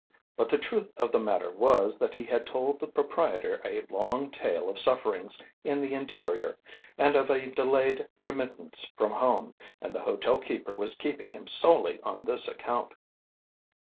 But the truth of the matter was that he had told the proprietor a long tale of sufferings in the interior and of a delayed remittance from home, and the hotel keeper was keeping him solely on this account.